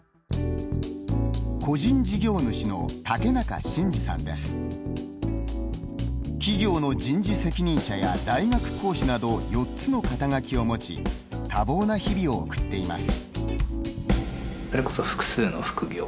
個人事業主の企業の人事責任者や大学講師など４つの肩書を持ち多忙な日々を送っています。